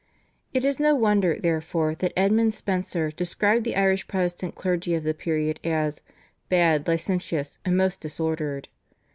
It is no wonder, therefore, that Edmund Spenser described the Irish Protestant clergy of the period as "bad, licentious, and most disordered."